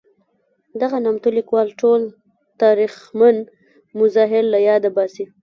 دغه نامتو لیکوال ټول تاریخمن مظاهر له یاده باسي.